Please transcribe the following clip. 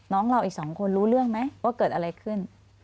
น้องเราอีก๒คนรู้เรื่องไหมว่าเกิดอะไรขึ้น